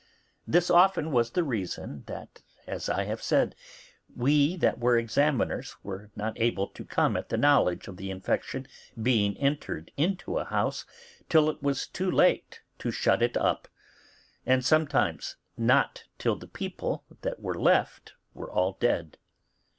This often was the reason that, as I have said, we that were examiners were not able to come at the knowledge of the infection being entered into a house till it was too late to shut it up, and sometimes not till the people that were left were all dead.